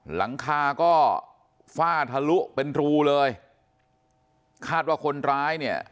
หลังคาก็ฝ้าทะลุเป็นรูเลยคาดว่าคนร้ายเนี่ย